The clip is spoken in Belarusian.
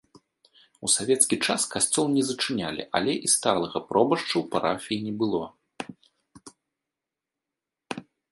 У савецкі час касцёл не зачынялі, але і сталага пробашча ў парафіі не было.